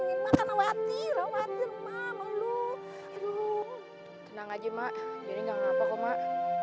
tenang aja mak jadi nggak ngapa kok mak